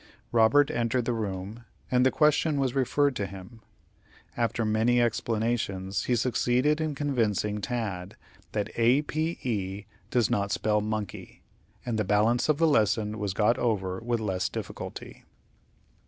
Robert entered the room, and the question was referred to him. After many explanations, he succeeded in convincing Tad that A p e does not spell monkey, and the balance of the lesson was got over with less difficulty.